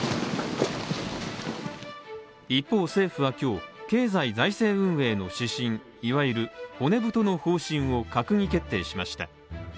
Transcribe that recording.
一方、政府は今日、経済財政運営の指針、いわゆる骨太の方針を閣議決定しました。